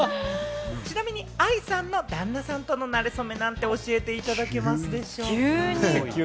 ちなみに愛さんの旦那さんとの馴れ初めなんて教えていただけますでしょうか？